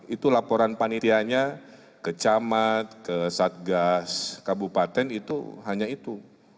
itu laporan panitianya ke camat ke satgas kabupaten itu hanya itu